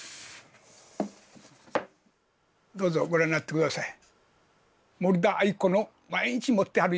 どうぞご覧になって下さい。